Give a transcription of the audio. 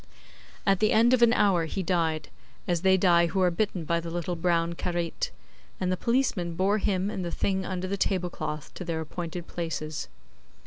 At the end of an hour he died, as they die who are bitten by the little brown karait, and the policemen bore him and the thing under the tablecloth to their appointed places.